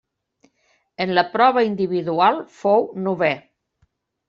En la prova individual fou novè.